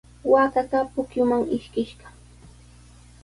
Waakaqa pukyuman ishkishqa.